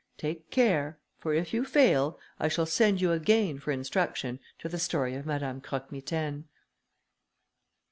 Take care, for if you fail, I shall send you again for instruction to the story of Madame Croque Mitaine."